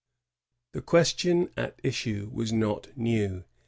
The question at issue was not new.